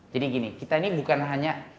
gini kita ini bukan hanya